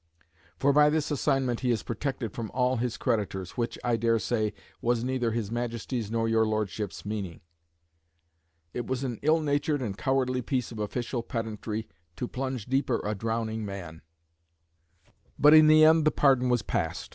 For by this assignment he is protected from all his creditors, which (I dare say) was neither his Majesty's nor your Lordship's meaning." It was an ill natured and cowardly piece of official pedantry to plunge deeper a drowning man; but in the end the pardon was passed.